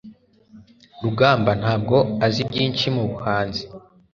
rugamba ntabwo azi byinshi mubuhanzi